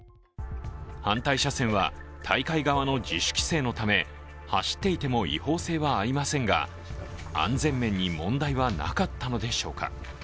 反対車線は大会側の自主規制のため走っていても違法性はありませんが、安全面に問題はなかったのでしょうか。